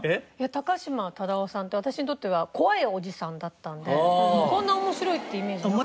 高島忠夫さんって私にとっては怖いおじさんだったんでこんな面白いってイメージなかった。